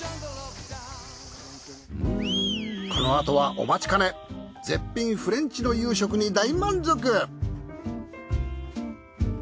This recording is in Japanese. このあとはお待ちかね絶品フレンチの夕食に大満足。